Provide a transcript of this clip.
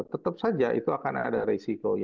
tetap saja itu akan ada resiko